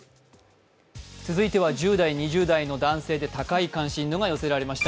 続いては１０代、２０代の男性で高い関心度が寄せられました。